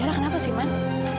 zaira kenapa simon